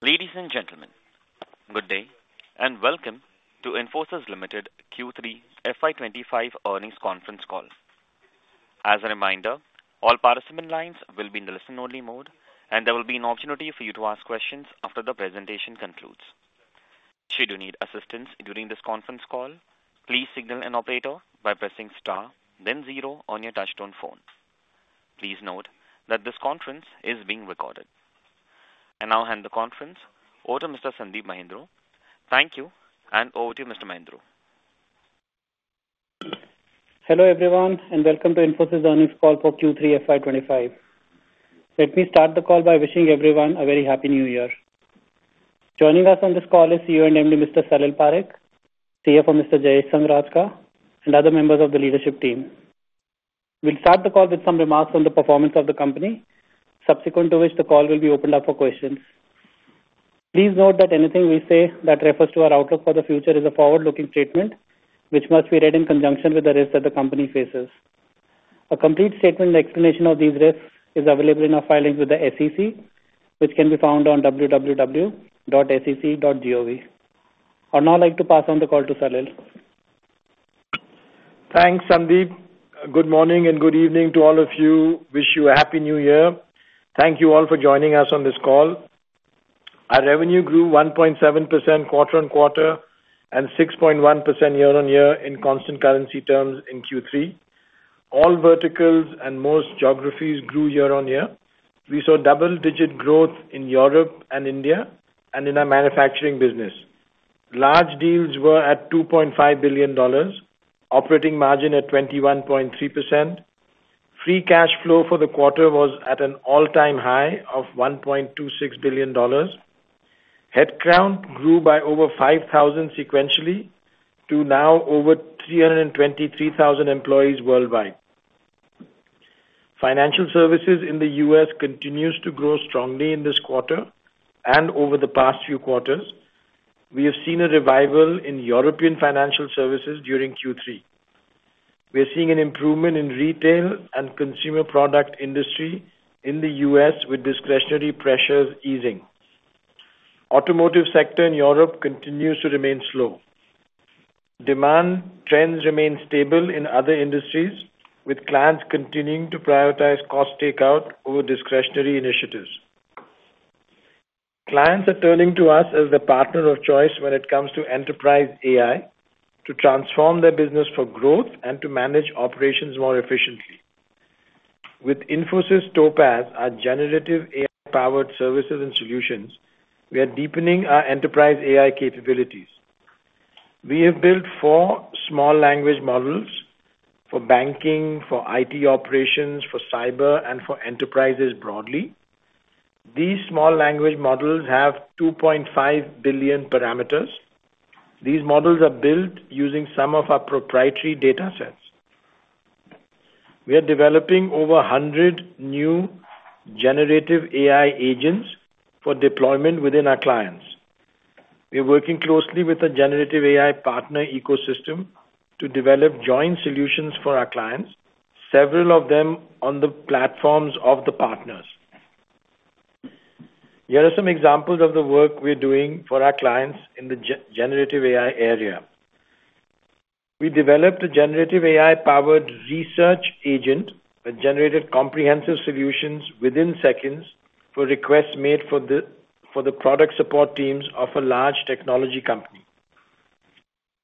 Ladies and gentlemen, good day and welcome to Infosys Limited Q3 FY 2025 earnings conference call. As a reminder, all participant lines will be in the listen-only mode, and there will be an opportunity for you to ask questions after the presentation concludes. Should you need assistance during this conference call, please signal an operator by pressing star, then zero on your touch-tone phone. Please note that this conference is being recorded. And I'll hand the conference over to Mr. Sandeep Mahindroo. Thank you, and over to you, Mr. Mahindroo. Hello everyone, and welcome to Infosys earnings call for Q3 FY 2025. Let me start the call by wishing everyone a very happy new year. Joining us on this call is CEO and MD, Mr. Salil Parekh, CFO, Mr. Jayesh Sanghrajka, and other members of the leadership team. We'll start the call with some remarks on the performance of the company, subsequent to which the call will be opened up for questions. Please note that anything we say that refers to our outlook for the future is a forward-looking statement, which must be read in conjunction with the risks that the company faces. A complete statement and explanation of these risks is available in our filings with the SEC, which can be found on www.sec.gov. I'd now like to pass on the call to Salil. Thanks, Sandeep. Good morning and good evening to all of you. Wish you a happy new year. Thank you all for joining us on this call. Our revenue grew 1.7% quarter-on-quarter and 6.1% year-on-year in constant currency terms in Q3. All verticals and most geographies grew year on year. We saw double-digit growth in Europe and India and in our manufacturing business. Large deals were at $2.5 billion, operating margin at 21.3%. Free cash flow for the quarter was at an all-time high of $1.26 billion. Headcount grew by over 5,000 sequentially to now over 323,000 employees worldwide. Financial services in the U.S. continues to grow strongly in this quarter and over the past few quarters. We have seen a revival in European financial services during Q3. We are seeing an improvement in retail and consumer product industry in the U.S. with discretionary pressures easing. Automotive sector in Europe continues to remain slow. Demand trends remain stable in other industries, with clients continuing to prioritize cost takeout over discretionary initiatives. Clients are turning to us as the partner of choice when it comes to enterprise AI to transform their business for growth and to manage operations more efficiently. With Infosys Topaz, our generative AI-powered services and solutions, we are deepening our enterprise AI capabilities. We have built four small language models for banking, for IT operations, for cyber, and for enterprises broadly. These small language models have 2.5 billion parameters. These models are built using some of our proprietary data sets. We are developing over 100 new generative AI agents for deployment within our clients. We are working closely with a generative AI partner ecosystem to develop joint solutions for our clients, several of them on the platforms of the partners. Here are some examples of the work we are doing for our clients in the generative AI area. We developed a generative AI-powered research agent that generated comprehensive solutions within seconds for requests made for the product support teams of a large technology company.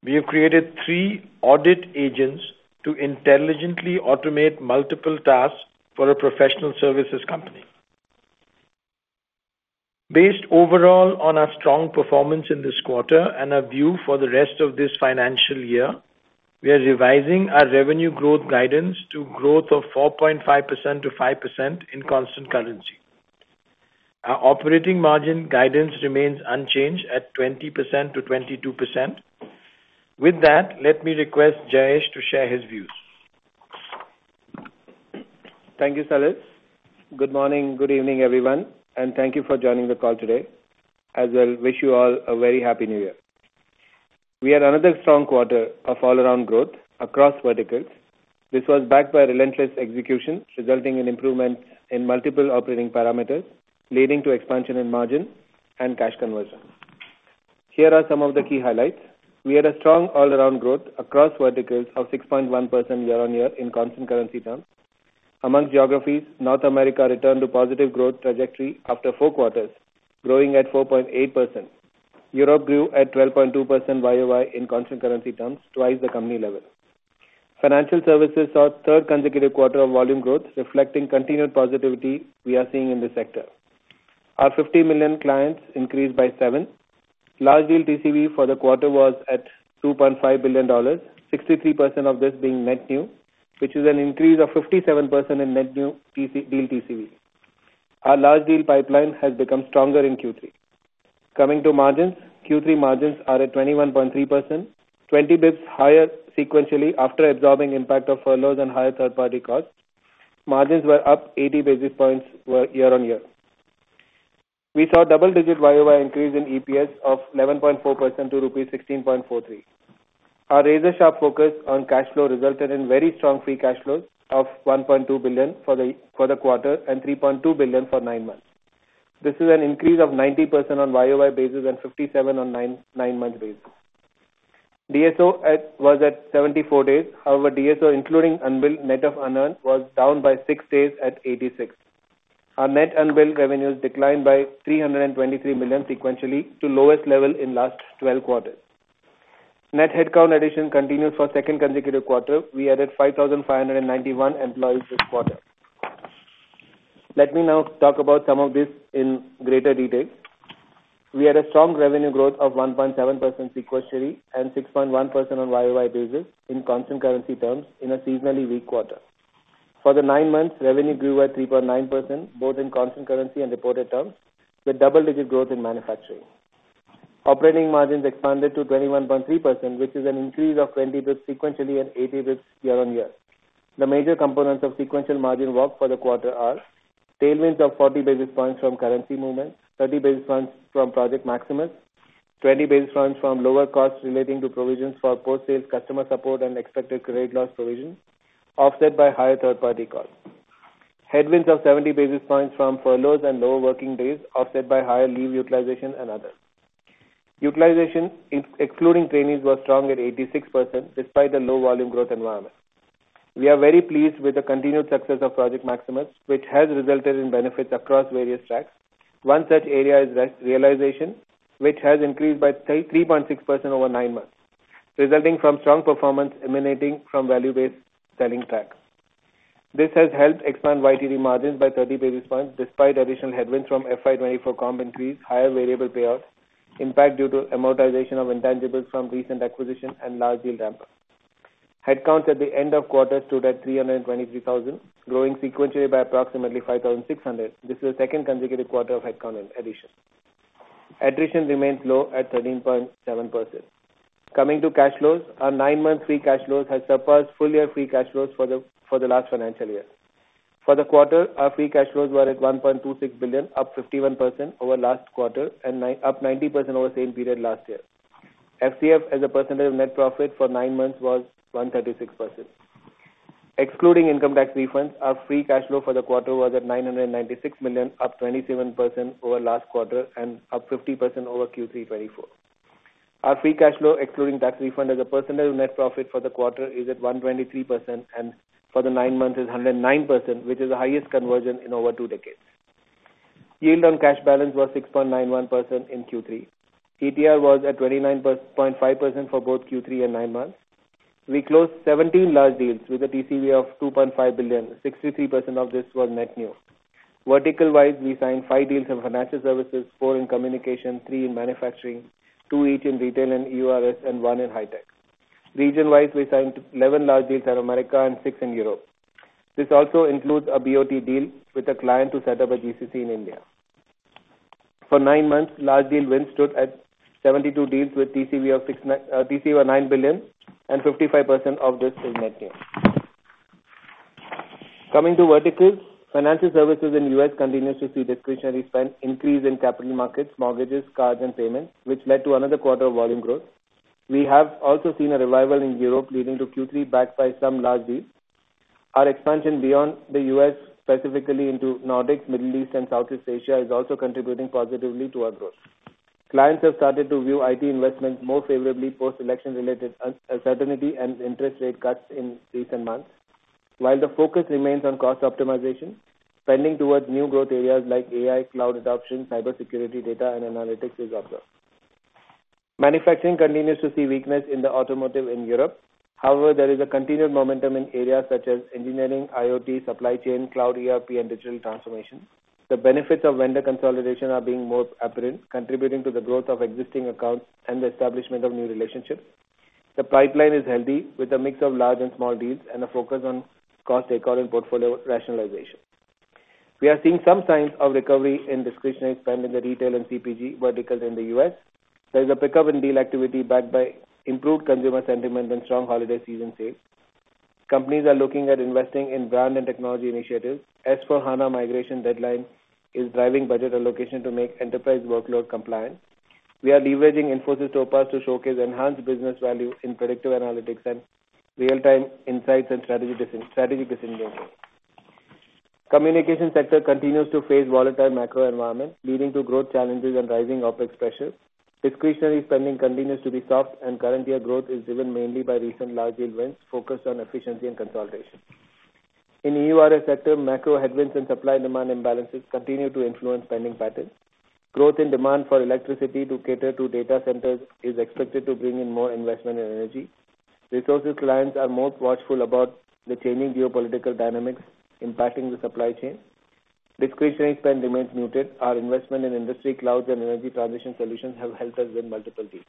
We have created three audit agents to intelligently automate multiple tasks for a professional services company. Based overall on our strong performance in this quarter and our view for the rest of this financial year, we are revising our revenue growth guidance to growth of 4.5%-5% in constant currency. Our operating margin guidance remains unchanged at 20%-22%. With that, let me request Jayesh to share his views. Thank you, Salil. Good morning, good evening, everyone, and thank you for joining the call today as well. We wish you all a very happy new year. We had another strong quarter of all-around growth across verticals. This was backed by relentless execution, resulting in improvements in multiple operating parameters, leading to expansion in margin and cash conversion. Here are some of the key highlights. We had a strong all-around growth across verticals of 6.1% year-on-year in constant currency terms. Among geographies, North America returned to positive growth trajectory after four quarters, growing at 4.8%. Europe grew at 12.2% YoY in constant currency terms, twice the company level. Financial services saw a third consecutive quarter of volume growth, reflecting continued positivity we are seeing in the sector. Our top 50 clients increased by seven. Large deal TCV for the quarter was at $2.5 billion, 63% of this being net new, which is an increase of 57% in net new deal TCV. Our large deal pipeline has become stronger in Q3. Coming to margins, Q3 margins are at 21.3%, 20 basis points higher sequentially after absorbing impact of furloughs and higher third-party costs. Margins were up 80 basis points year on year. We saw double-digit YoY increase in EPS of 11.4% to rupee 16.43. Our razor-sharp focus on cash flow resulted in very strong free cash flows of $1.2 billion for the quarter and $3.2 billion for nine months. This is an increase of 90% on YoY basis and 57% on nine-month basis. DSO was at 74 days. However, DSO, including unbilled net of unearned, was down by six days at 86. Our net unbilled revenues declined by $323 million sequentially to the lowest level in the last 12 quarters. Net headcount addition continues for the second consecutive quarter. We added 5,591 employees this quarter. Let me now talk about some of this in greater detail. We had a strong revenue growth of 1.7% sequentially and 6.1% on YoY basis in constant currency terms in a seasonally weak quarter. For the nine months, revenue grew by 3.9%, both in constant currency and reported terms, with double-digit growth in manufacturing. Operating margins expanded to 21.3%, which is an increase of 20 basis points sequentially and 80 basis points year on year. The major components of sequential margin work for the quarter are tailwinds of 40 basis points from currency movements, 30 basis points from Project Maximus, 20 basis points from lower costs relating to provisions for post-sales customer support and expected credit loss provisions, offset by higher third-party costs. Headwinds of 70 basis points from furloughs and lower working days, offset by higher leave utilization and others. Utilization, excluding trainees, was strong at 86% despite the low volume growth environment. We are very pleased with the continued success of Project Maximus, which has resulted in benefits across various tracks. One such area is realization, which has increased by 3.6% over nine months, resulting from strong performance emanating from value-based selling track. This has helped expand YTD margins by 30 basis points despite additional headwinds from FY 2024 comp increase, higher variable payout, impact due to amortization of intangibles from recent acquisition, and large deal damper. Headcounts at the end of quarter stood at 323,000, growing sequentially by approximately 5,600. This is the second consecutive quarter of headcount addition. Attrition remains low at 13.7%. Coming to cash flows, our nine-month free cash flows have surpassed full-year free cash flows for the last financial year. For the quarter, our free cash flows were at $1.26 billion, up 51% over last quarter and up 90% over the same period last year. FCF, as a percentage of net profit for nine months, was 136%. Excluding income tax refunds, our free cash flow for the quarter was at $996 million, up 27% over last quarter and up 50% over Q3 2024. Our free cash flow, excluding tax refund, as a percentage of net profit for the quarter is at 123%, and for the nine months, it is 109%, which is the highest conversion in over two decades. Yield on cash balance was 6.91% in Q3. ETR was at 29.5% for both Q3 and nine months. We closed 17 large deals with a TCV of $2.5 billion. 63% of this was net new. Vertical-wise, we signed five deals in financial services, four in communication, three in manufacturing, two each in retail and EURS, and one in high tech. Region-wise, we signed 11 large deals in America and six in Europe. This also includes a BOT deal with a client to set up a GCC in India. For nine months, large deal wins stood at 72 deals with a TCV of $9 billion, and 55% of this is net new. Coming to verticals, financial services in the U.S. continues to see discretionary spend increase in capital markets, mortgages, cards, and payments, which led to another quarter of volume growth. We have also seen a revival in Europe, leading to Q3, backed by some large deals. Our expansion beyond the U.S., specifically into Nordics, Middle East, and Southeast Asia, is also contributing positively to our growth. Clients have started to view IT investments more favorably post-election-related uncertainty and interest rate cuts in recent months. While the focus remains on cost optimization, spending towards new growth areas like AI, cloud adoption, cybersecurity, data, and analytics is observed. Manufacturing continues to see weakness in the automotive in Europe. However, there is a continued momentum in areas such as engineering, IoT, supply chain, cloud ERP, and digital transformation. The benefits of vendor consolidation are being more apparent, contributing to the growth of existing accounts and the establishment of new relationships. The pipeline is healthy with a mix of large and small deals and a focus on cost takeout and portfolio rationalization. We are seeing some signs of recovery in discretionary spend in the retail and CPG verticals in the U.S. There is a pickup in deal activity backed by improved consumer sentiment and strong holiday season sales. Companies are looking at investing in brand and technology initiatives. S/4HANA migration deadline is driving budget allocation to make enterprise workload compliant. We are leveraging Infosys Topaz to showcase enhanced business value in predictive analytics and real-time insights and strategic decision-making. Communication sector continues to face volatile macro environment, leading to growth challenges and rising OpEx pressures. Discretionary spending continues to be soft, and current year growth is driven mainly by recent large deal wins focused on efficiency and consolidation. In EURS sector, macro headwinds and supply-demand imbalances continue to influence spending patterns. Growth in demand for electricity to cater to data centers is expected to bring in more investment and energy. Resources clients are more watchful about the changing geopolitical dynamics impacting the supply chain. Discretionary spend remains muted. Our investment in industry clouds and energy transition solutions have helped us win multiple deals.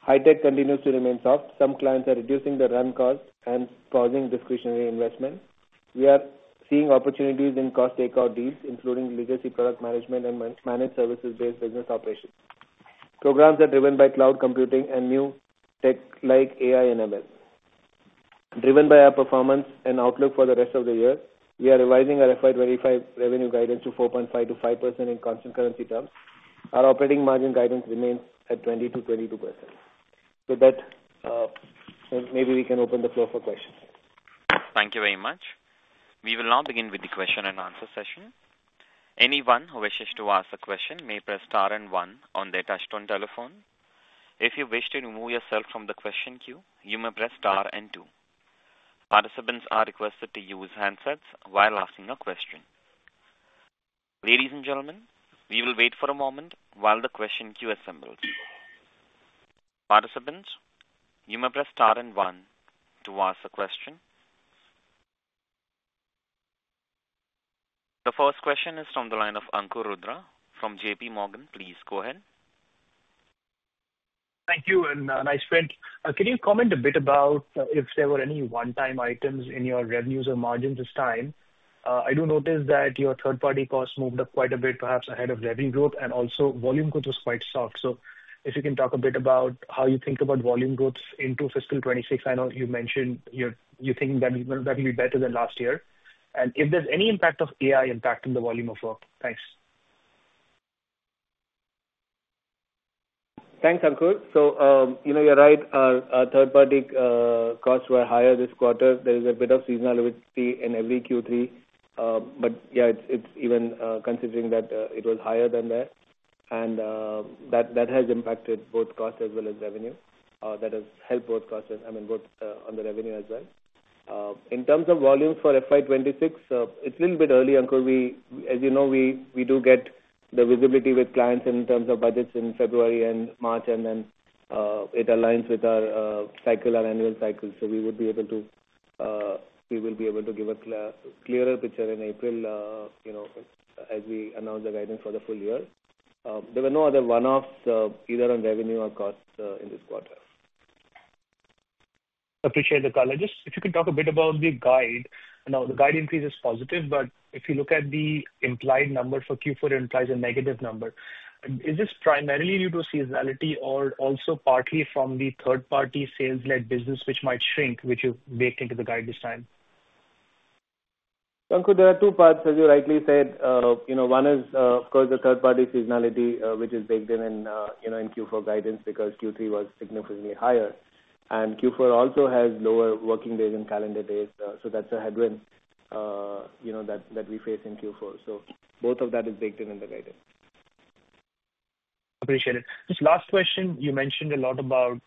High tech continues to remain soft. Some clients are reducing the run costs and pausing discretionary investment. We are seeing opportunities in cost takeout deals, including legacy product management and managed services-based business operations. Programs are driven by cloud computing and new tech like AI and ML. Driven by our performance and outlook for the rest of the year, we are revising our FY 2025 revenue guidance to 4.5%-5% in constant currency terms. Our operating margin guidance remains at 20%-22%. With that, maybe we can open the floor for questions. Thank you very much. We will now begin with the question-and-answer session. Anyone who wishes to ask a question may press star and one on their touch-tone telephone. If you wish to remove yourself from the question queue, you may press star and two. Participants are requested to use handsets while asking a question. Ladies and gentlemen, we will wait for a moment while the question queue assembles. Participants, you may press star and one to ask a question. The first question is from the line of Ankur Rudra from JPMorgan. Please go ahead. Thank you. And nice print. Can you comment a bit about if there were any one-time items in your revenues or margins this time? I do notice that your third-party costs moved up quite a bit, perhaps ahead of revenue growth, and also volume growth was quite soft. So if you can talk a bit about how you think about volume growth into fiscal 2026. I know you mentioned you think that will be better than last year. And if there's any impact of AI impacting the volume of work, thanks. Thanks, Ankur. So you're right. Our third-party costs were higher this quarter. There is a bit of seasonality in every Q3. But yeah, it's even considering that it was higher than that. And that has impacted both costs as well as revenue. That has helped both costs and revenue as well. In terms of volume for FY 2026, it's a little bit early, Ankur. As you know, we do get the visibility with clients in terms of budgets in February and March, and then it aligns with our cycle, our annual cycle. So we will be able to give a clearer picture in April as we announce the guidance for the full year. There were no other one-offs either on revenue or costs in this quarter. Appreciate the comments. If you could talk a bit about the guide. Now, the guide increase is positive, but if you look at the implied number for Q4, it implies a negative number. Is this primarily due to seasonality or also partly from the third-party sales-led business, which might shrink, which you baked into the guide this time? Ankur, there are two parts, as you rightly said. One is, of course, the third-party seasonality, which is baked in Q4 guidance because Q3 was significantly higher, and Q4 also has lower working days and calendar days, so that's a headwind that we face in Q4, so both of that is baked in the guidance. Appreciate it. Just last question. You mentioned a lot about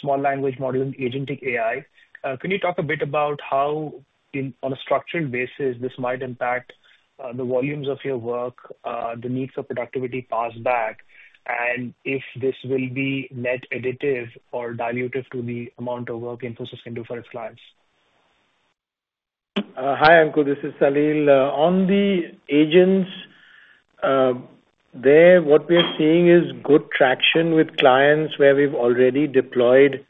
small language models, agentic AI. Can you talk a bit about how, on a structural basis, this might impact the volumes of your work, the need for productivity passed back, and if this will be net additive or dilutive to the amount of work Infosys can do for its clients? Hi, Ankur. This is Salil. On the agents, what we are seeing is good traction with clients where we've already deployed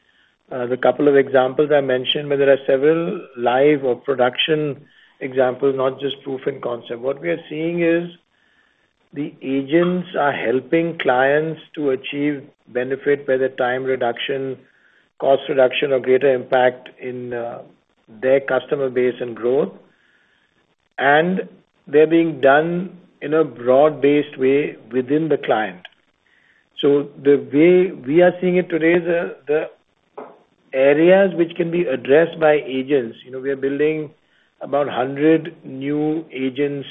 the couple of examples I mentioned, but there are several live or production examples, not just proof of concept. What we are seeing is the agents are helping clients to achieve benefit by the time reduction, cost reduction, or greater impact in their customer base and growth. And they're being done in a broad-based way within the client. So the way we are seeing it today, the areas which can be addressed by agents, we are building about 100 new agents,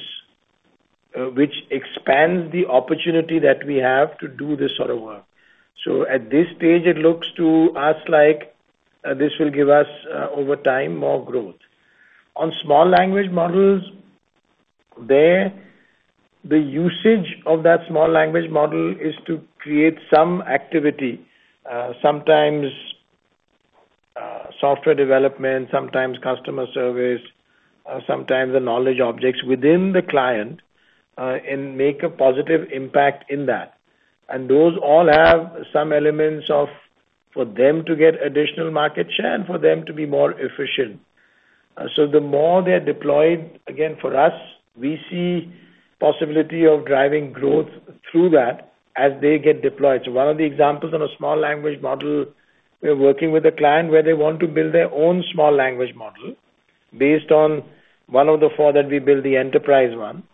which expands the opportunity that we have to do this sort of work. So at this stage, it looks to us like this will give us, over time, more growth. On small language models, the usage of that small language model is to create some activity, sometimes software development, sometimes customer service, sometimes the knowledge objects within the client and make a positive impact in that. Those all have some elements for them to get additional market share and for them to be more efficient. The more they're deployed, again, for us, we see the possibility of driving growth through that as they get deployed. One of the examples on a small language model, we're working with a client where they want to build their own small language model based on one of the four that we build, the enterprise one.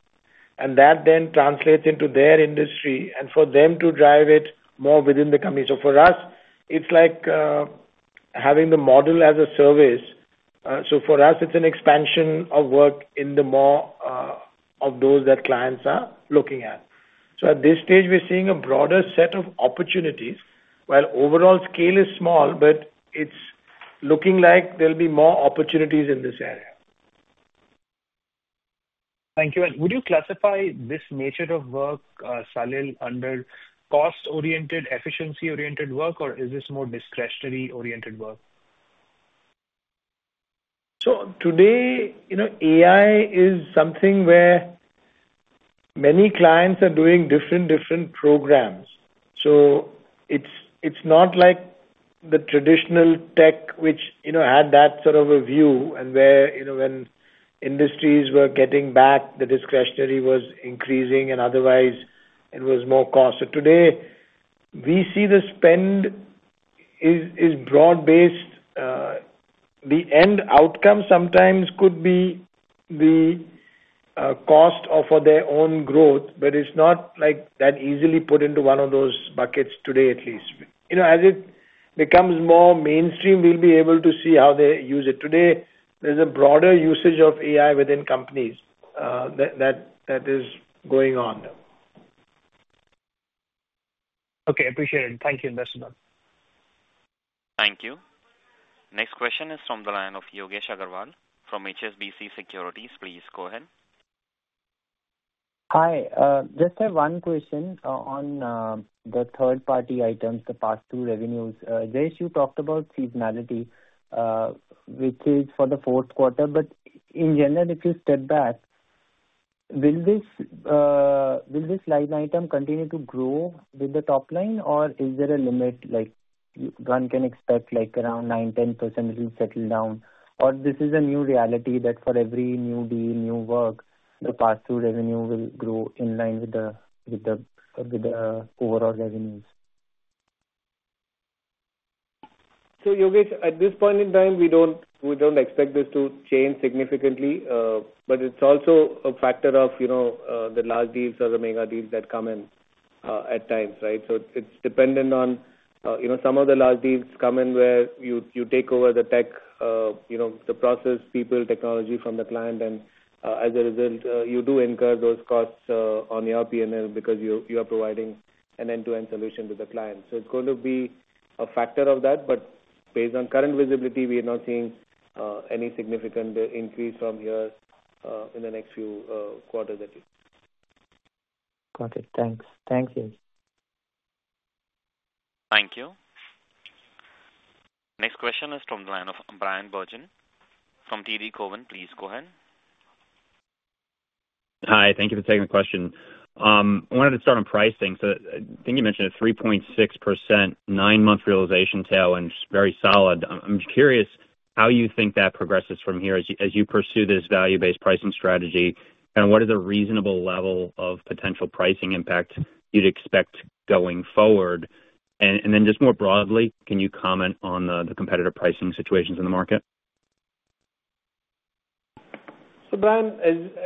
That then translates into their industry and for them to drive it more within the company. For us, it's like having the model as a service. So for us, it's an expansion of work in the more of those that clients are looking at. So at this stage, we're seeing a broader set of opportunities while overall scale is small, but it's looking like there'll be more opportunities in this area. Thank you. And would you classify this nature of work, Salil, under cost-oriented, efficiency-oriented work, or is this more discretionary-oriented work? Today, AI is something where many clients are doing different programs. It's not like the traditional tech, which had that sort of a view and where when industries were getting back, the discretionary was increasing and otherwise it was more cost. Today, we see the spend is broad-based. The end outcome sometimes could be the cost for their own growth, but it's not that easily put into one of those buckets today, at least. As it becomes more mainstream, we'll be able to see how they use it. Today, there's a broader usage of AI within companies that is going on. Okay. Appreciate it. Thank you, investor. Thank you. Next question is from the line of Yogesh Aggarwal from HSBC Securities. Please go ahead. Hi. Just have one question on the third-party items, the pass-through revenues. Jayesh, you talked about seasonality, which is for the fourth quarter. But in general, if you step back, will this line item continue to grow with the top line, or is there a limit? One can expect around 9%-10% will settle down, or this is a new reality that for every new deal, new work, the pass-through revenue will grow in line with the overall revenues? So Yogesh, at this point in time, we don't expect this to change significantly, but it's also a factor of the large deals or the mega deals that come in at times, right? So it's dependent on some of the large deals come in where you take over the tech, the process, people, technology from the client. And as a result, you do incur those costs on your P&L because you are providing an end-to-end solution to the client. So it's going to be a factor of that. But based on current visibility, we are not seeing any significant increase from here in the next few quarters. Got it. Thanks. Thank you. Thank you. Next question is from Bryan Bergin from TD Cowen. Please go ahead. Hi. Thank you for taking the question. I wanted to start on pricing. So I think you mentioned a 3.6% nine-month realization tail and very solid. I'm curious how you think that progresses from here as you pursue this value-based pricing strategy, and what is a reasonable level of potential pricing impact you'd expect going forward? And then just more broadly, can you comment on the competitor pricing situations in the market? Bryan,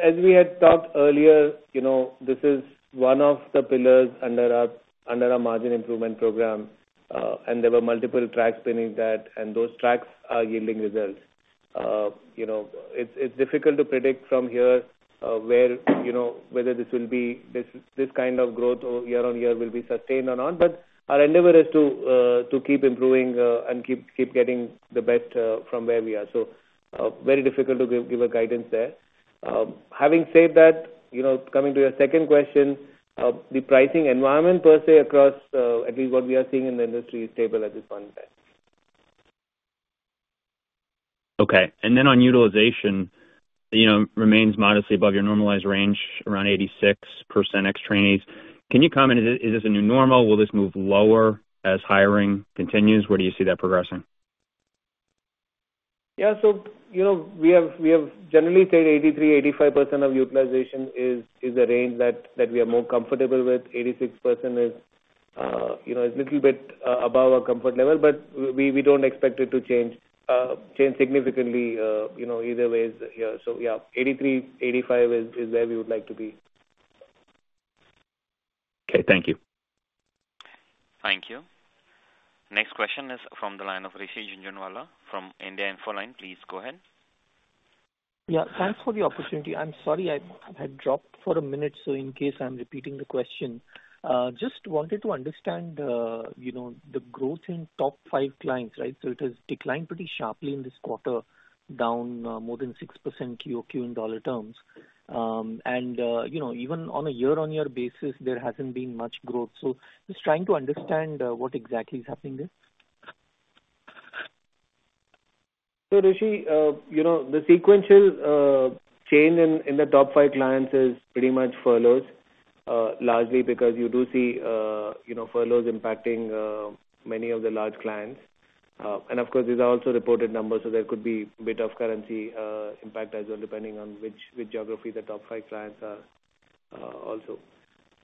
as we had talked earlier, this is one of the pillars under our margin improvement program, and there were multiple tracks beneath that, and those tracks are yielding results. It's difficult to predict from here whether this will be this kind of growth year on year will be sustained or not. But our endeavor is to keep improving and keep getting the best from where we are. So very difficult to give a guidance there. Having said that, coming to your second question, the pricing environment per se across at least what we are seeing in the industry is stable at this point in time. Okay, and then on utilization remains modestly above your normalized range, around 86% ex-trainees. Can you comment, is this a new normal? Will this move lower as hiring continues? Where do you see that progressing? Yeah. So we have generally said 83%, 85% of utilization is the range that we are more comfortable with. 86% is a little bit above our comfort level, but we don't expect it to change significantly either way. So yeah, 83%, 85% is where we would like to be. Okay. Thank you. Thank you. Next question is from the line of Rishi Jhunjhunwala from India Infoline. Please go ahead. Yeah. Thanks for the opportunity. I'm sorry I had dropped for a minute, so in case I'm repeating the question. Just wanted to understand the growth in top five clients, right? So it has declined pretty sharply in this quarter, down more than 6% QoQ in dollar terms. And even on a year-on-year basis, there hasn't been much growth. So just trying to understand what exactly is happening there. Rishi, the sequential change in the top five clients is pretty much furloughs, largely because you do see furloughs impacting many of the large clients. And of course, these are also reported numbers, so there could be a bit of currency impact as well, depending on which geography the top five clients are also.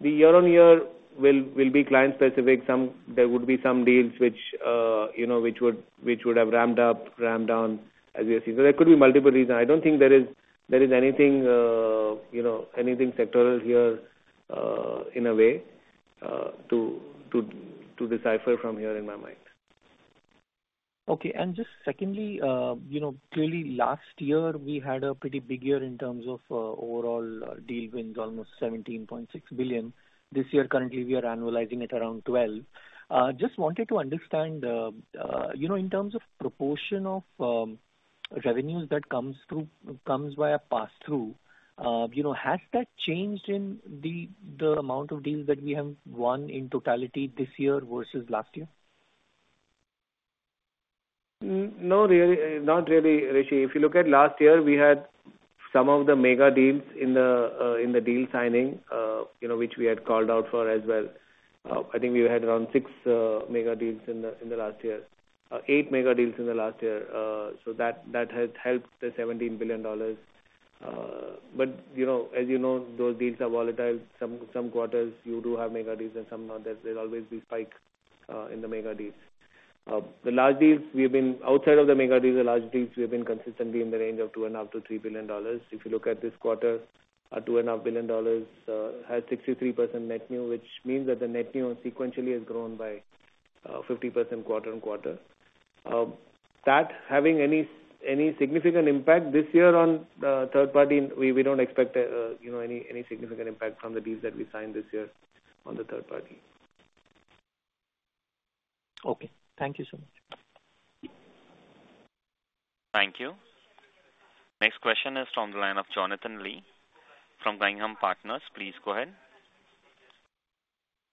The year-on-year will be client-specific. There would be some deals which would have ramped up, ramped down, as we have seen. So there could be multiple reasons. I don't think there is anything sectoral here in a way to decipher from here in my mind. Okay. And just secondly, clearly, last year, we had a pretty big year in terms of overall deal wins, almost $17.6 billion. This year, currently, we are annualizing at around $12 billion. Just wanted to understand, in terms of proportion of revenues that comes via pass-through, has that changed in the amount of deals that we have won in totality this year versus last year? Not really, Rishi. If you look at last year, we had some of the mega deals in the deal signing, which we had called out for as well. I think we had around six mega deals in the last year, eight mega deals in the last year. So that has helped the $17 billion. But as you know, those deals are volatile. Some quarters, you do have mega deals, and some others, there's always these spikes in the mega deals. The large deals, we have been outside of the mega deals, the large deals, we have been consistently in the range of $2.5 billion-$3 billion. If you look at this quarter, $2.5 billion has 63% net new, which means that the net new sequentially has grown by 50% quarter-on-quarter. That having any significant impact this year on third-party? We don't expect any significant impact from the deals that we signed this year on the third-party. Okay. Thank you so much. Thank you. Next question is from the line of Jonathan Lee from Guggenheim Partners. Please go ahead.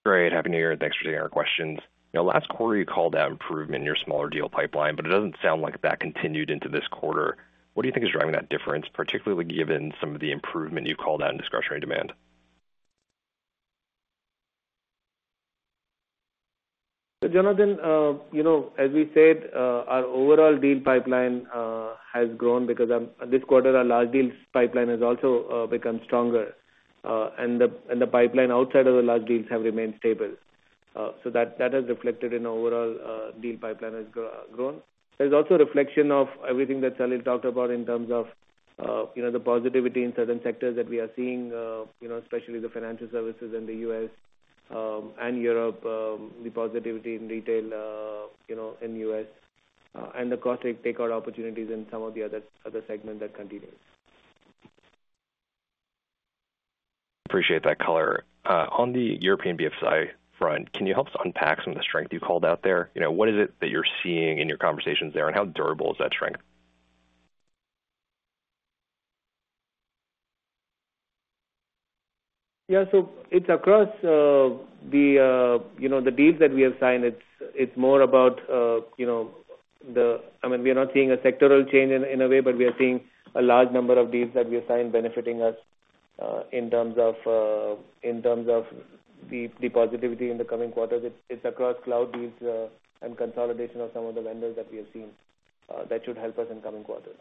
Great. Happy New Year. Thanks for taking our questions. Last quarter, you called out improvement in your smaller deal pipeline, but it doesn't sound like that continued into this quarter. What do you think is driving that difference, particularly given some of the improvement you called out in discretionary demand? So Jonathan, as we said, our overall deal pipeline has grown because this quarter, our large deals pipeline has also become stronger. And the pipeline outside of the large deals have remained stable. So that has reflected in overall deal pipeline has grown. There's also a reflection of everything that Salil talked about in terms of the positivity in certain sectors that we are seeing, especially the financial services in the U.S. and Europe, the positivity in retail in the U.S., and the cost takeout opportunities in some of the other segments that continue. Appreciate that color. On the European BFSI front, can you help us unpack some of the strength you called out there? What is it that you're seeing in your conversations there, and how durable is that strength? Yeah. So it's across the deals that we have signed. It's more about the, I mean, we are not seeing a sectoral change in a way, but we are seeing a large number of deals that we have signed benefiting us in terms of the positivity in the coming quarters. It's across cloud deals and consolidation of some of the vendors that we have seen that should help us in coming quarters.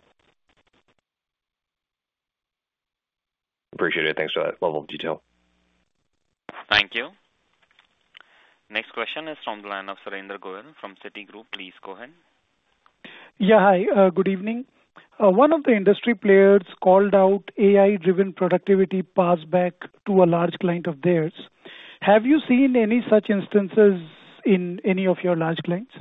Appreciate it. Thanks for that level of detail. Thank you. Next question is from the line of Surendra Goyal from Citigroup. Please go ahead. Yeah. Hi. Good evening. One of the industry players called out AI-driven productivity passed back to a large client of theirs. Have you seen any such instances in any of your large clients?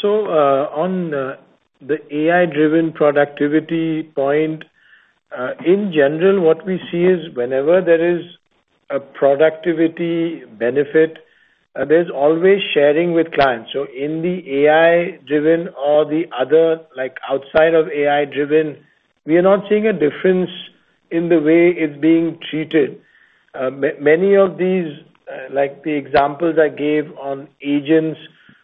So on the AI-driven productivity point, in general, what we see is whenever there is a productivity benefit, there's always sharing with clients. So in the AI-driven or the other outside of AI-driven, we are not seeing a difference in the way it's being treated. Many of these, like the examples I gave on agents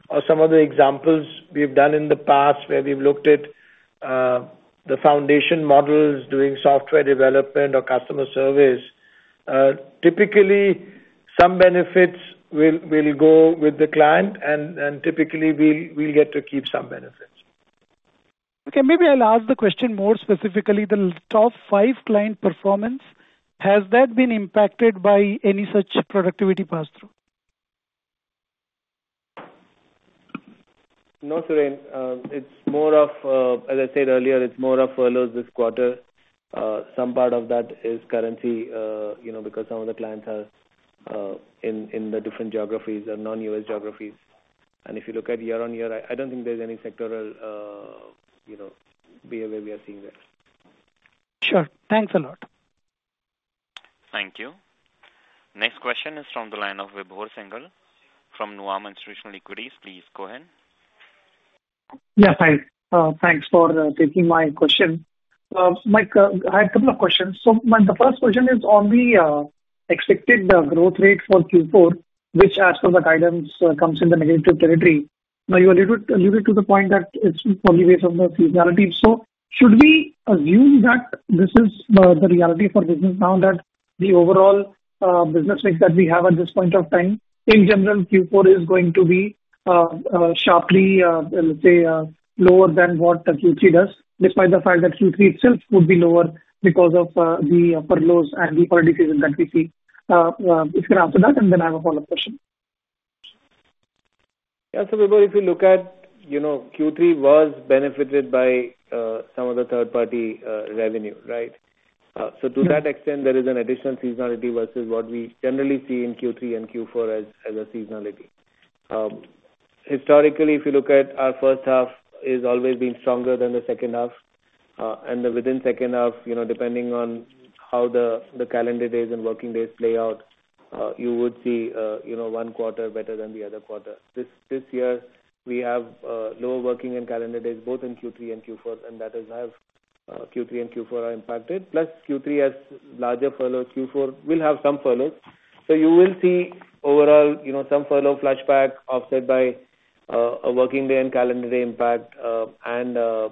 or some of the examples we've done in the past where we've looked at the foundation models doing software development or customer service, typically, some benefits will go with the client, and typically, we'll get to keep some benefits. Okay. Maybe I'll ask the question more specifically. The top five client performance, has that been impacted by any such productivity pass-through? No, Surendra. It's more of, as I said earlier, it's more of furloughs this quarter. Some part of that is currency because some of the clients are in the different geographies or non-U.S. geographies. And if you look at year-on-year, I don't think there's any sectoral behavior we are seeing there. Sure. Thanks a lot. Thank you. Next question is from the line of Vibhor Singhal from Nuvama Institutional Equities. Please go ahead. Yeah. Thanks. Thanks for taking my question. Hi, I have a couple of questions. So the first question is on the expected growth rate for Q4, which, as per the guidance, comes in the negative territory. Now, you alluded to the point that it's probably based on the seasonality. So should we assume that this is the reality for business now, that the overall growth rate that we have at this point of time, in general, Q4 is going to be sharply, let's say, lower than what Q3 does, despite the fact that Q3 itself would be lower because of the furloughs and the early seasonality that we see? If you can answer that, and then I have a follow-up question. Yeah. So if you look at Q3 was benefited by some of the third-party revenue, right? So to that extent, there is an additional seasonality versus what we generally see in Q3 and Q4 as a seasonality. Historically, if you look at our first half, it has always been stronger than the second half, and within second half, depending on how the calendar days and working days play out, you would see one quarter better than the other quarter. This year, we have lower working and calendar days both in Q3 and Q4, and that is how Q3 and Q4 are impacted. Plus, Q3 has larger furloughs. Q4 will have some furloughs, so you will see overall some furlough flashback offset by a working day and calendar day impact and a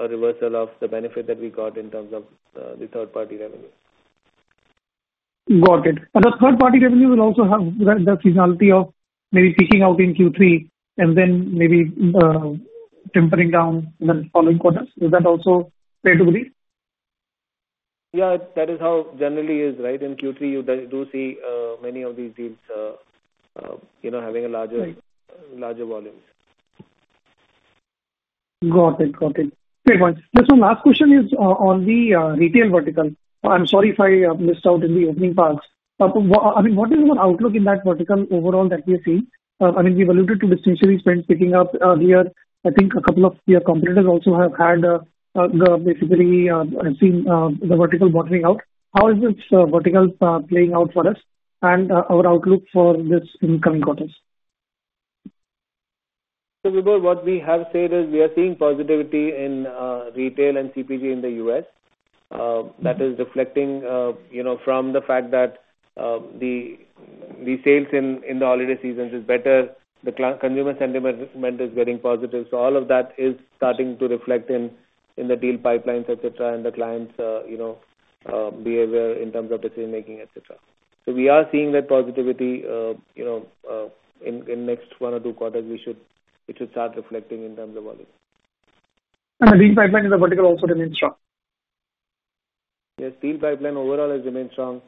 reversal of the benefit that we got in terms of the third-party revenue. Got it. And the third-party revenue will also have the seasonality of maybe peaking out in Q3 and then maybe tempering down in the following quarters. Is that also fair to believe? Yeah. That is how it generally is, right? In Q3, you do see many of these deals having larger volumes. Got it. Got it. Fair point. Just one last question is on the retail vertical. I'm sorry if I missed out in the opening parts. I mean, what is the outlook in that vertical overall that we are seeing? I mean, we've alluded to discretionary spend picking up earlier. I think a couple of your competitors also have had basically seen the vertical bottoming out. How is this vertical playing out for us and our outlook for this upcoming quarters? So what we have said is we are seeing positivity in retail and CPG in the U.S. That is reflecting from the fact that the sales in the holiday seasons is better. The consumer sentiment is getting positive. So all of that is starting to reflect in the deal pipelines, etc., and the client's behavior in terms of decision-making, etc. So we are seeing that positivity in the next one or two quarters. It should start reflecting in terms of volume. The deal pipeline in the vertical also remains strong? Yes. Deal pipeline overall has remained strong.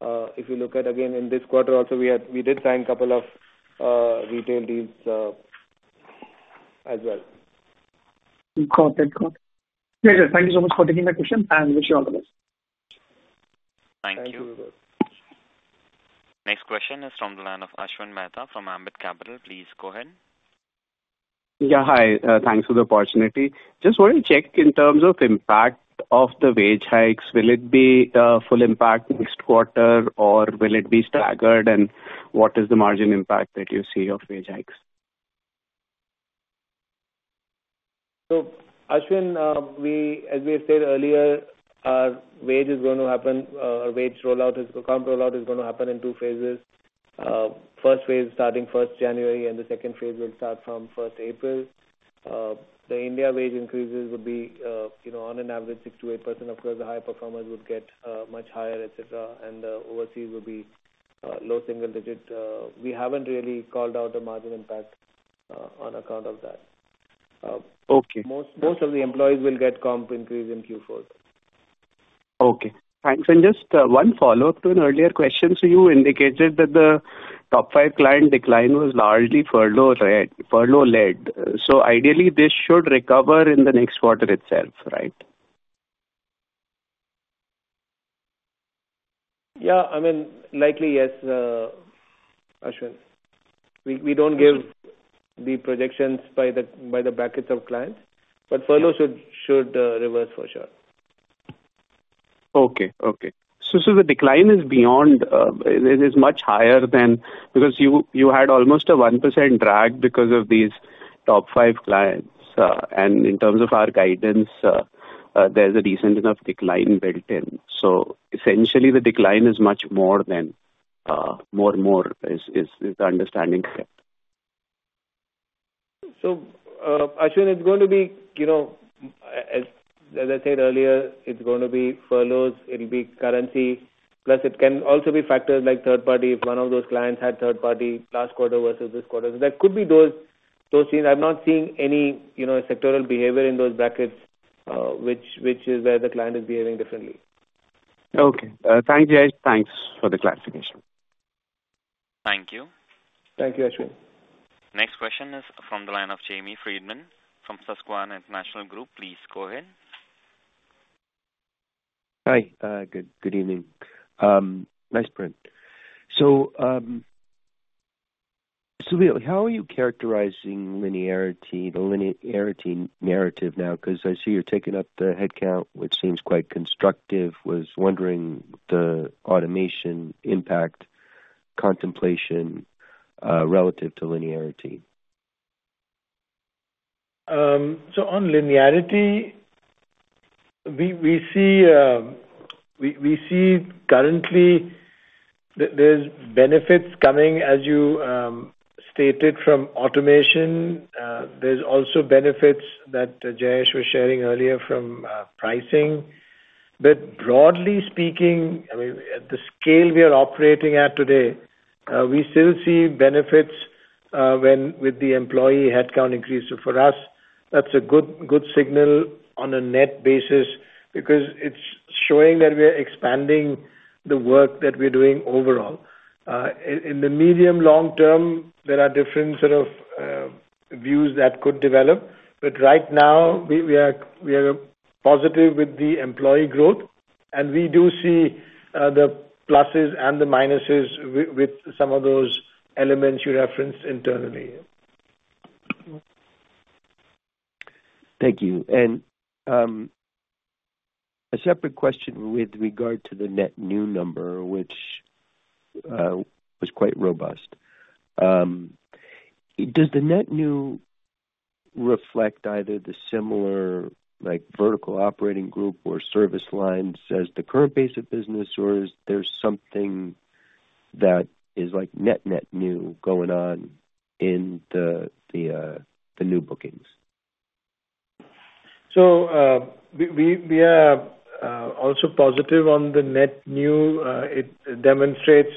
If you look at, again, in this quarter also, we did sign a couple of retail deals as well. Got it. Got it. Yeah. Thank you so much for taking my question, and wish you all the best. Thank you. Thank you, Vibhor. Next question is from the line of Ashwin Mehta from Ambit Capital. Please go ahead. Yeah. Hi. Thanks for the opportunity. Just wanted to check in terms of impact of the wage hikes. Will it be full impact next quarter, or will it be staggered? And what is the margin impact that you see of wage hikes? Ashwin, as we have said earlier, our wage rollout is going to happen in two phases. First phase starting 1st January, and the second phase will start from 1st April. The India wage increases would be, on average, 6%-8%. Of course, the higher performers would get much higher, etc., and the overseas would be low single digit. We haven't really called out the margin impact on account of that. Most of the employees will get comp increase in Q4. Okay. Thanks. And just one follow-up to an earlier question. So you indicated that the top five client decline was largely furlough-led. So ideally, this should recover in the next quarter itself, right? Yeah. I mean, likely, yes, Ashwin. We don't give the projections by the brackets of clients, but furloughs should reverse for sure. Okay. So the decline is much higher than because you had almost a 1% drag because of these top five clients. And in terms of our guidance, there's a decent enough decline built in. So essentially, the decline is much more than more and more is the understanding. So Ashwin, it's going to be, as I said earlier, it's going to be furloughs. It'll be currency. Plus, it can also be factors like third-party. If one of those clients had third-party last quarter versus this quarter, there could be those things. I'm not seeing any sectoral behavior in those brackets, which is where the client is behaving differently. Okay. Thank you. Thanks for the clarification. Thank you. Thank you, Ashwin. Next question is from the line of Jamie Friedman from Susquehanna International Group. Please go ahead. Hi. Good evening. Nice print. So how are you characterizing linearity, the linearity narrative now? Because I see you're taking up the headcount, which seems quite constructive. I was wondering the automation impact contemplation relative to linearity. So on linearity, we see currently there's benefits coming, as you stated, from automation. There's also benefits that Jayesh was sharing earlier from pricing. But broadly speaking, I mean, at the scale we are operating at today, we still see benefits with the employee headcount increase. So for us, that's a good signal on a net basis because it's showing that we are expanding the work that we're doing overall. In the medium-long term, there are different sort of views that could develop. But right now, we are positive with the employee growth, and we do see the pluses and the minuses with some of those elements you referenced internally. Thank you. And a separate question with regard to the net new number, which was quite robust. Does the net new reflect either the similar vertical operating group or service lines as the current base of business, or is there something that is net-net new going on in the new bookings? So we are also positive on the net new. It demonstrates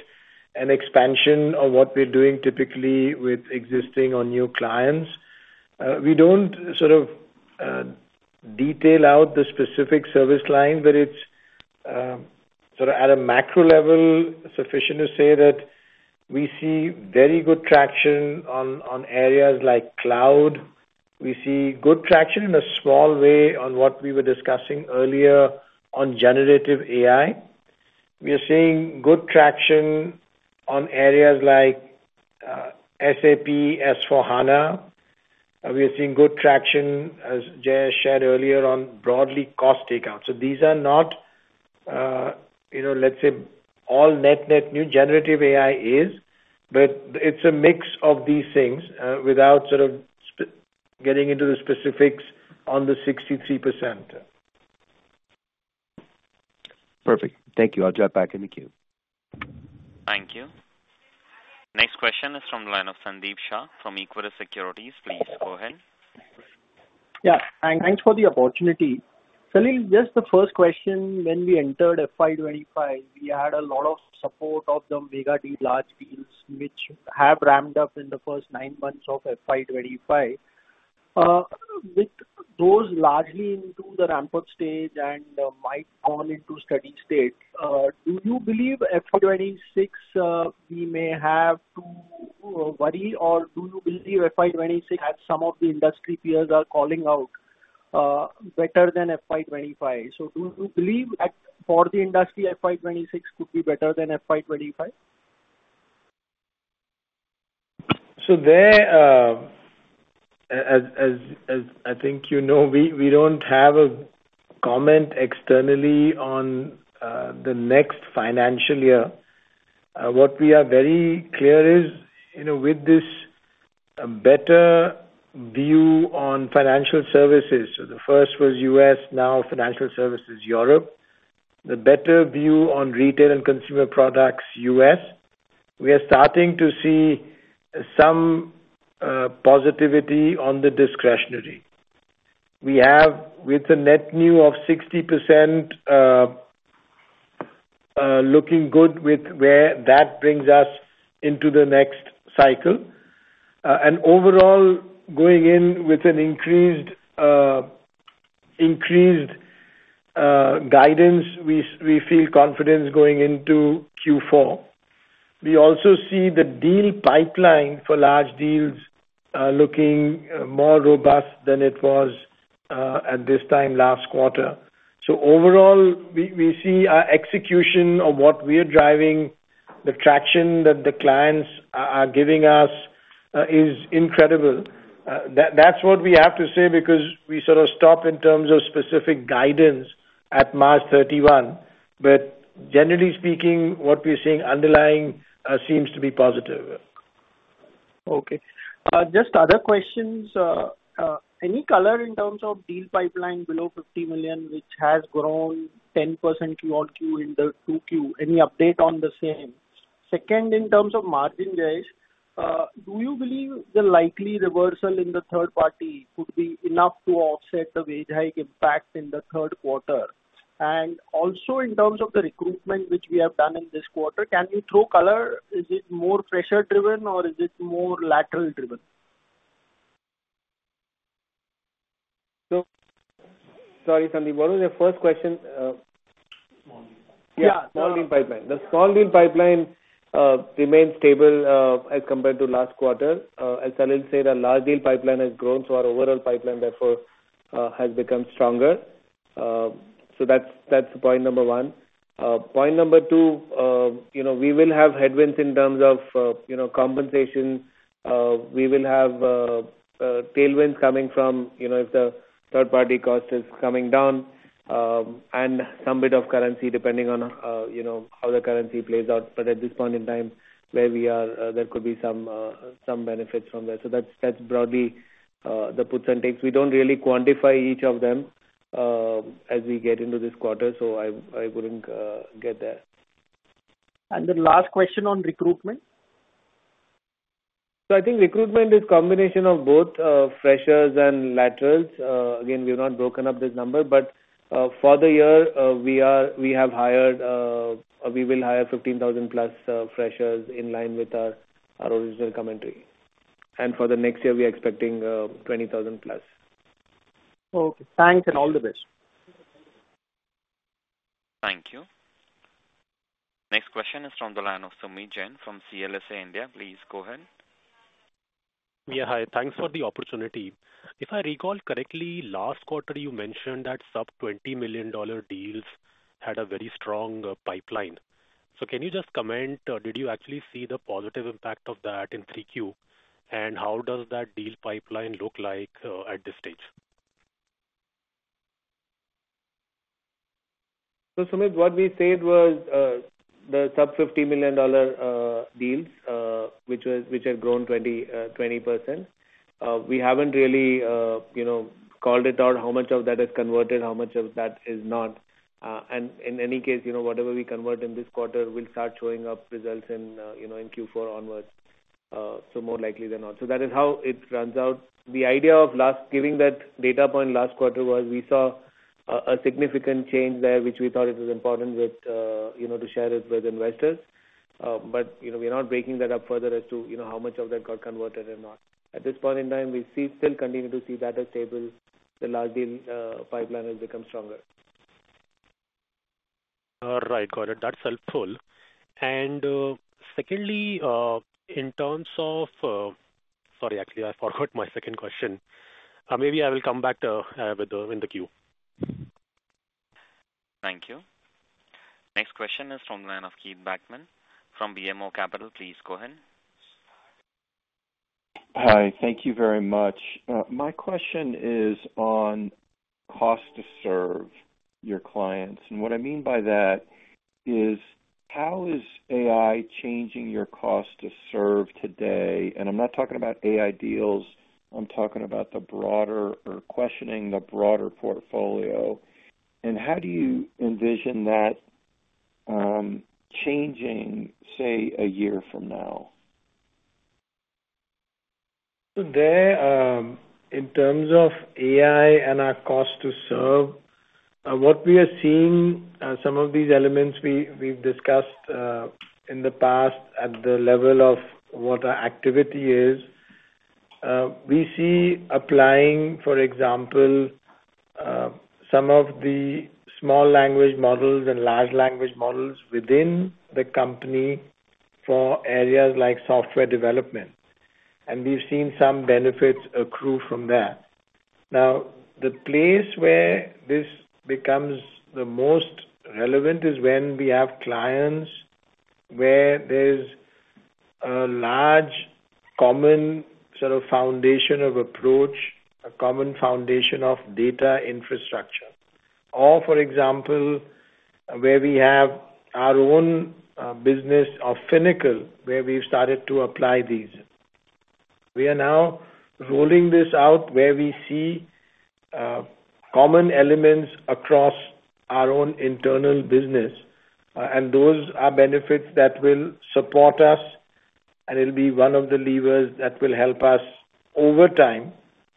an expansion of what we're doing typically with existing or new clients. We don't sort of detail out the specific service line, but it's sort of at a macro level sufficient to say that we see very good traction on areas like cloud. We see good traction in a small way on what we were discussing earlier on generative AI. We are seeing good traction on areas like SAP S/4HANA. We are seeing good traction, as Jayesh shared earlier, on broadly cost takeout. So these are not, let's say, all net-net new. Generative AI is, but it's a mix of these things without sort of getting into the specifics on the 63%. Perfect. Thank you. I'll jump back in the queue. Thank you. Next question is from the line of Sandeep Shah from Equirus Securities. Please go ahead. Yeah. Thanks for the opportunity. Surendra, just the first question. When we entered FY 2025, we had a lot of support of the mega deep large deals, which have ramped up in the first nine months of FY 2025. With those largely into the ramp-up stage and might fall into steady state, do you believe FY 2026 we may have to worry, or do you believe FY 2026, as some of the industry peers are calling out, better than FY 2025? So do you believe for the industry FY 2026 could be better than FY 2025? So there, as I think you know, we don't have a comment externally on the next financial year. What we are very clear is with this better view on financial services, so the first was U.S., now financial services Europe. The better view on retail and consumer products U.S. We are starting to see some positivity on the discretionary. We have, with a net new of 60%, looking good with where that brings us into the next cycle, and overall, going in with an increased guidance, we feel confidence going into Q4. We also see the deal pipeline for large deals looking more robust than it was at this time last quarter, so overall, we see our execution of what we are driving. The traction that the clients are giving us is incredible. That's what we have to say because we sort of stop in terms of specific guidance at March 31. But generally speaking, what we're seeing underlying seems to be positive. Okay. Just other questions. Any color in terms of deal pipeline below 50 million, which has grown 10% Q1, Q2, and Q3? Any update on the same? Second, in terms of margin, Jayesh, do you believe the likely reversal in the third party could be enough to offset the wage hike impact in the third quarter? And also in terms of the recruitment, which we have done in this quarter, can you throw color? Is it more pressure-driven, or is it more lateral-driven? Sorry, Sandeep. What was the first question? Small deal. Yeah. Small deal pipeline. The small deal pipeline remains stable as compared to last quarter. As Salil said, our large deal pipeline has grown, so our overall pipeline therefore has become stronger. So that's point number one. Point number two, we will have headwinds in terms of compensation. We will have tailwinds coming from if the third-party cost is coming down and some bit of currency depending on how the currency plays out. But at this point in time where we are, there could be some benefits from there. So that's broadly the puts and takes. We don't really quantify each of them as we get into this quarter, so I wouldn't get there. The last question on recruitment? I think recruitment is a combination of both freshers and laterals. Again, we have not broken up this number, but for the year, we have hired or we will hire 15,000-plus freshers in line with our original commentary. For the next year, we are expecting 20,000+. Okay. Thanks and all the best. Thank you. Next question is from the line of Sumeet Jain from CLSA India. Please go ahead. Yeah. Hi. Thanks for the opportunity. If I recall correctly, last quarter, you mentioned that sub-$20 million deals had a very strong pipeline. So can you just comment? Did you actually see the positive impact of that in this quarter? And how does that deal pipeline look like at this stage? So Sumeet, what we said was the sub-$50 million deals, which have grown 20%. We haven't really called it out how much of that is converted, how much of that is not. And in any case, whatever we convert in this quarter, we'll start showing up results in Q4 onwards. So more likely than not. So that is how it runs out. The idea behind giving that data point last quarter was we saw a significant change there, which we thought it was important to share it with investors. But we are not breaking that up further as to how much of that got converted or not. At this point in time, we still continue to see that as stable. The large deal pipeline has become stronger. All right. Got it. That's helpful. And secondly, in terms of - sorry, actually, I forgot my second question. Maybe I will come back to have it in the queue. Thank you. Next question is from the line of Keith Bachman from BMO Capital. Please go ahead. Hi. Thank you very much. My question is on cost to serve your clients. And what I mean by that is, how is AI changing your cost to serve today? And I'm not talking about AI deals. I'm talking about the broader portfolio. And how do you envision that changing, say, a year from now? So there, in terms of AI and our cost to serve, what we are seeing, some of these elements we've discussed in the past at the level of what our activity is, we see applying, for example, some of the small language models and large language models within the company for areas like software development. And we've seen some benefits accrue from that. Now, the place where this becomes the most relevant is when we have clients where there's a large common sort of foundation of approach, a common foundation of data infrastructure. Or, for example, where we have our own business of Finacle, where we've started to apply these. We are now rolling this out where we see common elements across our own internal business. Those are benefits that will support us, and it'll be one of the levers that will help us over time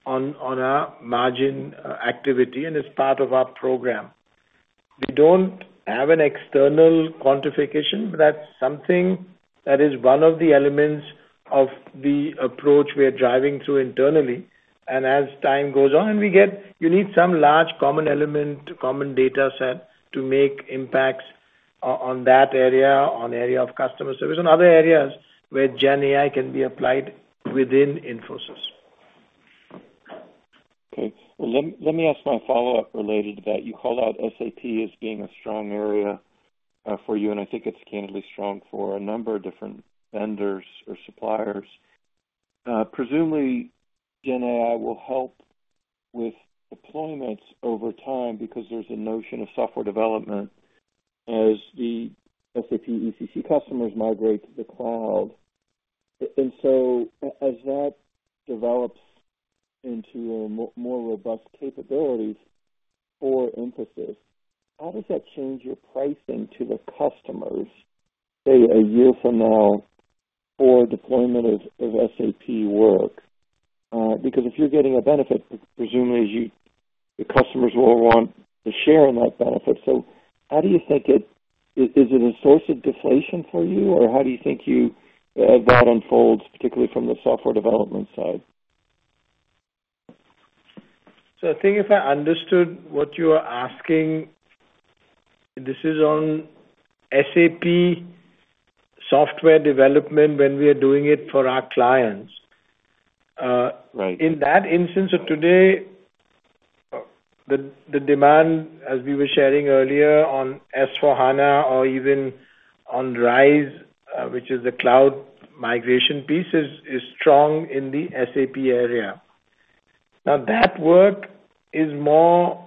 on our margin activity and as part of our program. We don't have an external quantification, but that's something that is one of the elements of the approach we are driving through internally. As time goes on, we get you need some large common element, common data set to make impacts on that area, on area of customer service, and other areas where GenAI can be applied within Infosys. Okay. Well, let me ask my follow-up related to that. You called out SAP as being a strong area for you, and I think it's candidly strong for a number of different vendors or suppliers. Presumably, GenAI will help with deployments over time because there's a notion of software development as the SAP ECC customers migrate to the cloud. And so as that develops into more robust capabilities for Infosys, how does that change your pricing to the customers, say, a year from now for deployment of SAP work? Because if you're getting a benefit, presumably, the customers will want to share in that benefit. So how do you think it is? Is it a source of deflation for you, or how do you think that unfolds, particularly from the software development side? So I think if I understood what you are asking, this is on SAP software development when we are doing it for our clients. In that instance of today, the demand, as we were sharing earlier, on S/4HANA or even on RISE, which is the cloud migration piece, is strong in the SAP area. Now, that work is more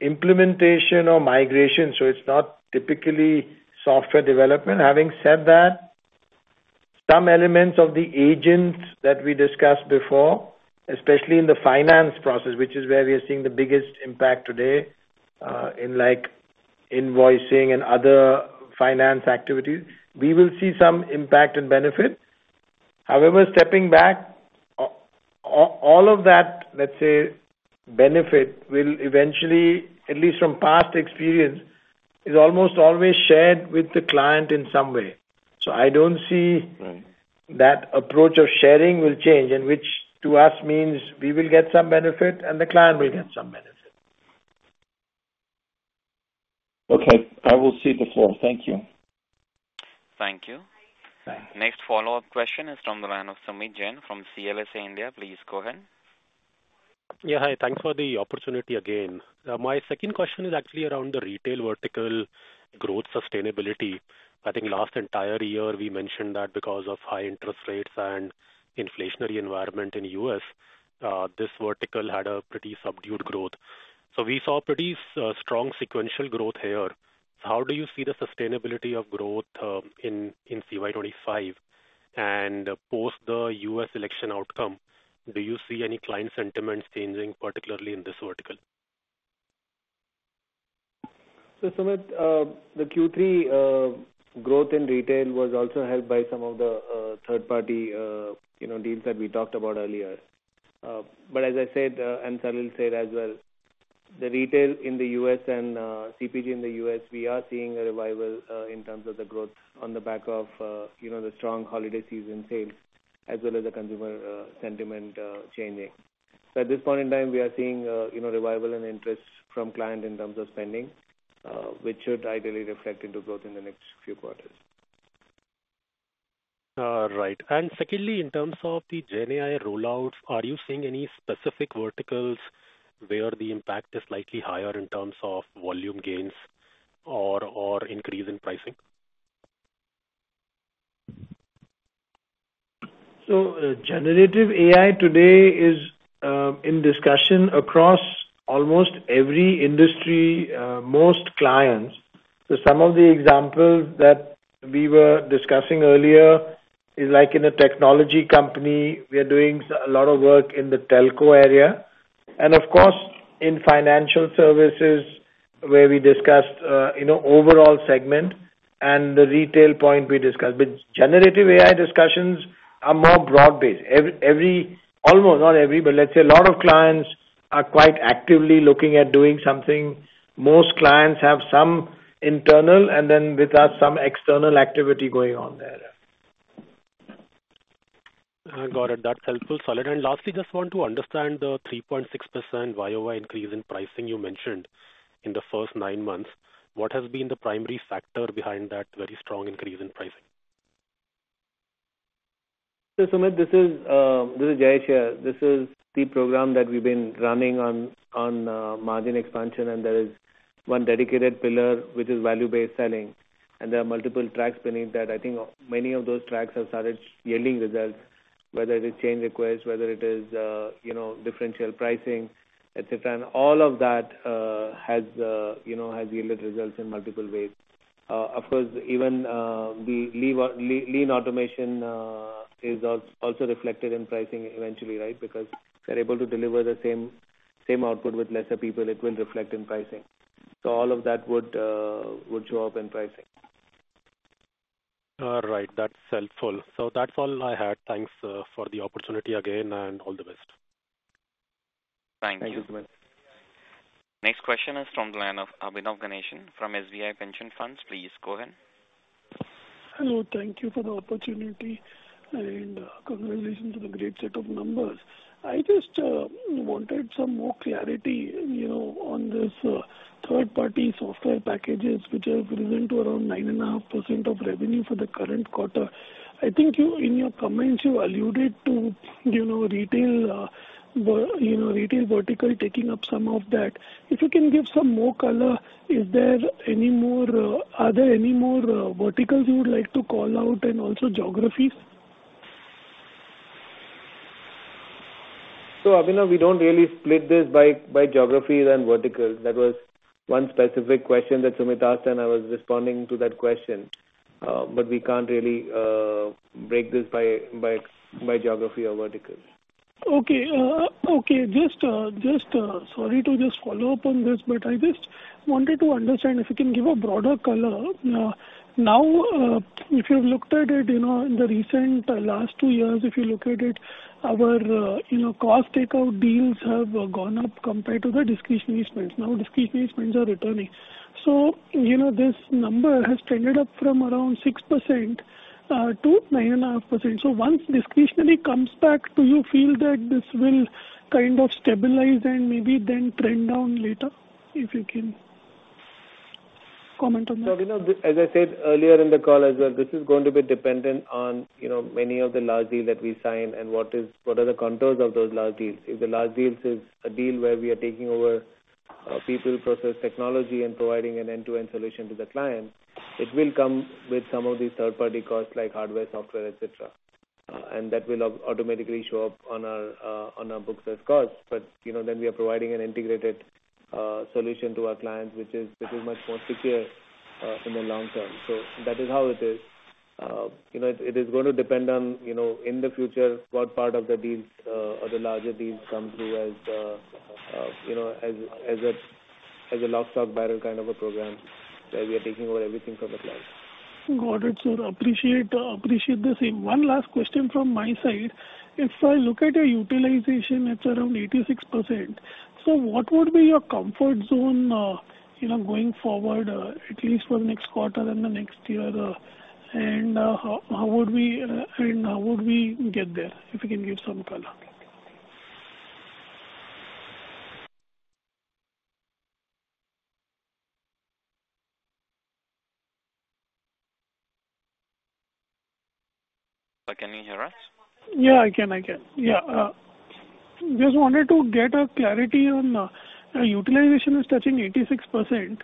implementation or migration, so it's not typically software development. Having said that, some elements of the agents that we discussed before, especially in the finance process, which is where we are seeing the biggest impact today in invoicing and other finance activities, we will see some impact and benefit. However, stepping back, all of that, let's say, benefit will eventually, at least from past experience, is almost always shared with the client in some way. So, I don't see that approach of sharing will change, and which to us means we will get some benefit and the client will get some benefit. Okay. I will cede the floor. Thank you. Thank you. Next follow-up question is from the line of Sumeet Jain from CLSA. Please go ahead. Yeah. Hi. Thanks for the opportunity again. My second question is actually around the retail vertical growth sustainability. I think last entire year, we mentioned that because of high interest rates and inflationary environment in the U.S., this vertical had a pretty subdued growth. So we saw pretty strong sequential growth here. So how do you see the sustainability of growth in FY 2025? And post the U.S. election outcome, do you see any client sentiments changing, particularly in this vertical? Sumeet, the Q3 growth in retail was also helped by some of the third-party deals that we talked about earlier. But as I said, and Surendra said as well, the retail in the U.S. and CPG in the U.S., we are seeing a revival in terms of the growth on the back of the strong holiday season sales, as well as the consumer sentiment changing. So at this point in time, we are seeing revival and interest from client in terms of spending, which should ideally reflect into growth in the next few quarters. Right. And secondly, in terms of the GenAI rollouts, are you seeing any specific verticals where the impact is slightly higher in terms of volume gains or increase in pricing? So, generative AI today is in discussion across almost every industry, most clients. So some of the examples that we were discussing earlier is like in a technology company, we are doing a lot of work in the telco area. And of course, in financial services, where we discussed overall segment and the retail point we discussed. But generative AI discussions are more broad-based. Almost not every, but let's say a lot of clients are quite actively looking at doing something. Most clients have some internal and then with us, some external activity going on there. Got it. That's helpful. Solid. And lastly, just want to understand the 3.6% YoY increase in pricing you mentioned in the first nine months. What has been the primary factor behind that very strong increase in pricing? Sumeet, this is Jayesh here. This is the program that we've been running on margin expansion, and there is one dedicated pillar, which is value-based selling. And there are multiple tracks beneath that. I think many of those tracks have started yielding results, whether it is change request, whether it is differential pricing, etc. And all of that has yielded results in multiple ways. Of course, even the lean automation is also reflected in pricing eventually, right? Because if they're able to deliver the same output with lesser people, it will reflect in pricing. So all of that would show up in pricing. All right. That's helpful. So that's all I had. Thanks for the opportunity again and all the best. Thank you. Thank you, Sumeet. Next question is from the line of Abhinav Ganesan from SBI Pension Funds. Please go ahead. Hello. Thank you for the opportunity and congratulations on a great set of numbers. I just wanted some more clarity on these third-party software packages, which have risen to around 9.5% of revenue for the current quarter. I think in your comments, you alluded to retail vertical taking up some of that. If you can give some more color, are there any more verticals you would like to call out and also geographies? Abhinav, we don't really split this by geographies and verticals. That was one specific question that Sumeet asked, and I was responding to that question. But we can't really break this by geography or verticals. Okay. Just sorry to follow up on this, but I just wanted to understand if you can give a broader color. Now, if you've looked at it in the recent last two years, if you look at it, our cost takeout deals have gone up compared to the discretionary spend. Now, discretionary spends are returning. So this number has trended up from around 6% to 9.5%. So once discretionary comes back, do you feel that this will kind of stabilize and maybe then trend down later? If you can comment on that. So Abhinav, as I said earlier in the call as well, this is going to be dependent on many of the large deals that we sign and what are the contours of those large deals. If the large deals is a deal where we are taking over people, process, technology, and providing an end-to-end solution to the client, it will come with some of these third-party costs like hardware, software, etc. And that will automatically show up on our books as costs. But then we are providing an integrated solution to our clients, which is much more secure in the long term. So that is how it is. It is going to depend on, in the future, what part of the deals or the larger deals come through as a lock, stock, barrel kind of a program where we are taking over everything from the client. Got it. So appreciate the same. One last question from my side. If I look at your utilization, it's around 86%. So what would be your comfort zone going forward, at least for the next quarter and the next year? And how would we get there if you can give some color? Can you hear us? Yeah, I can. Just wanted to get clarity on utilization is touching 86%.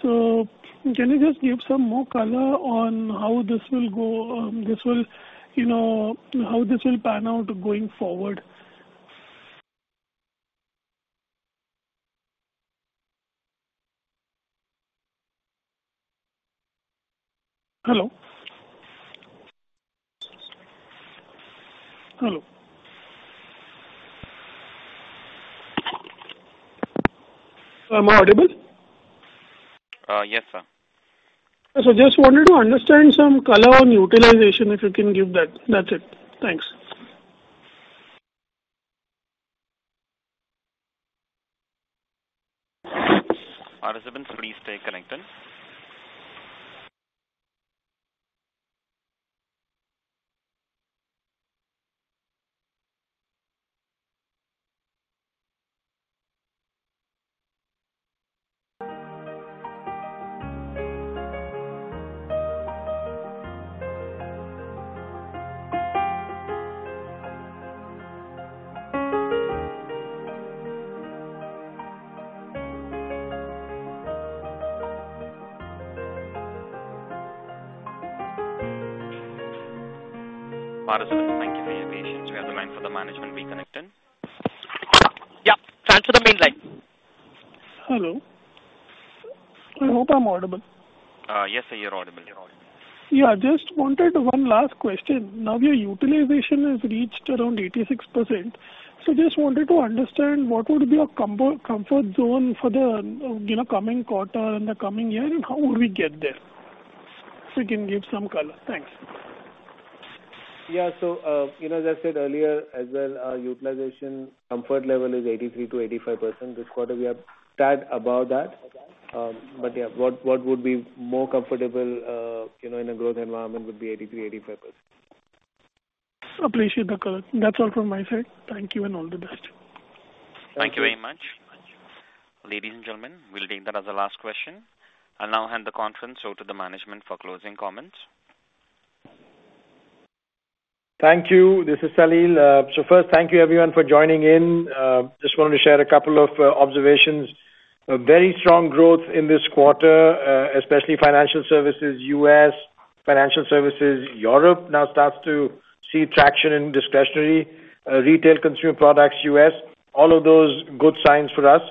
So can you just give some more color on how this will go? How this will pan out going forward? Hello? Hello? Am I audible? Yes, sir. Just wanted to understand some color on utilization if you can give that. That's it. Thanks. Please stay connected. Thank you for your patience. We are getting the line for the management. Reconnecting. Yeah. Transfer the mainline. Hello? I hope I'm audible. Yes, sir, you're audible. Yeah. Just wanted one last question. Now, your utilization has reached around 86%. So just wanted to understand what would be your comfort zone for the coming quarter and the coming year, and how would we get there if you can give some color? Thanks. Yeah. So as I said earlier as well, our utilization comfort level is 83%-85%. This quarter, we are tad above that. But yeah, what would be more comfortable in a growth environment would be 83%-85%. Appreciate the color. That's all from my side. Thank you and all the best. Thank you very much. Ladies and gentlemen, we'll take that as a last question. I'll now hand the conference over to the management for closing comments. Thank you. This is Salil. So first, thank you everyone for joining in. Just wanted to share a couple of observations. Very strong growth in this quarter, especially financial services U.S., financial services Europe. Now starts to see traction in discretionary retail consumer products U.S. All of those good signs for us.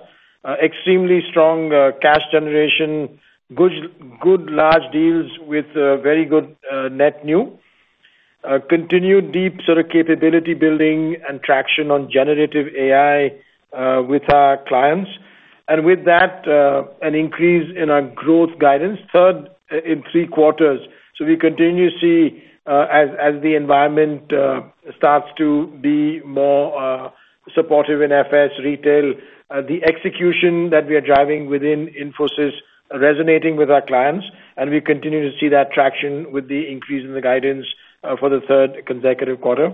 Extremely strong cash generation, good large deals with very good net new. Continued deep sort of capability building and traction on generative AI with our clients. And with that, an increase in our growth guidance. Third in three quarters. So we continue to see, as the environment starts to be more supportive in FS retail, the execution that we are driving within Infosys resonating with our clients. And we continue to see that traction with the increase in the guidance for the third consecutive quarter.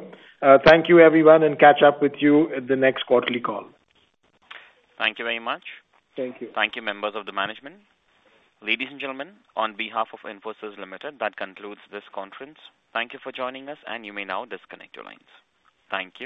Thank you, everyone, and catch up with you at the next quarterly call. Thank you very much. Thank you. Thank you, members of the management. Ladies and gentlemen, on behalf of Infosys Limited, that concludes this conference. Thank you for joining us, and you may now disconnect your lines. Thank you.